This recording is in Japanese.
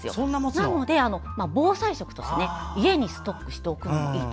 なので、防災食として家にストックしておくのもいいと。